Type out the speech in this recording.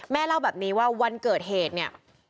เล่าแบบนี้ว่าวันเกิดเหตุเนี่ย